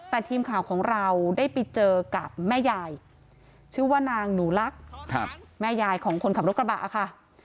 แต่ทีมข่าวของเราได้ไปเจอกับแม่ยายชื่อว่านางหนูลักษณ์แม่ยายของคนขับรถกระบะค่ะ